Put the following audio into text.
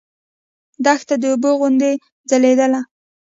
دښته د اوبو غوندې ځلېدله.